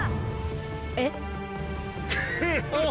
えっ？